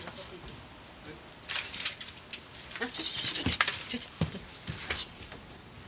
あっちょっとちょっと。